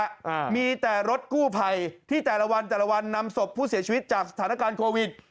อ่ามีแต่รถกู้ภัยที่แต่ละวันแต่ละวันนำศพผู้เสียชีวิตจากสถานการณ์โควิด